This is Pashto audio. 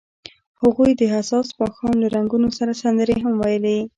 هغوی د حساس ماښام له رنګونو سره سندرې هم ویلې.